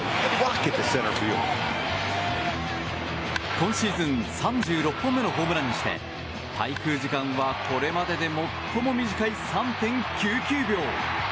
今シーズン３６本目のホームランにして滞空時間はこれまでで最も短い３．９９秒。